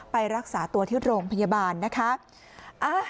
ไปรักษาตัวที่โรงพยาบาลนะคะ